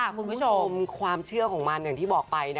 คุณผู้ชมความเชื่อของมันอย่างที่บอกไป